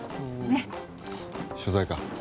ねっ取材か？